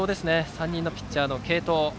３人のピッチャーの継投。